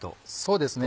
そうですね